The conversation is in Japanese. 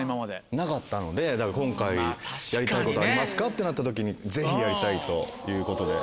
なかったのでだから今回「やりたいことありますか？」ってなった時にぜひやりたいということで。